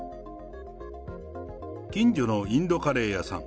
近所のインドカレー屋さん。